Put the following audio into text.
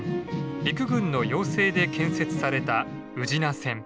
陸軍の要請で建設された宇品線。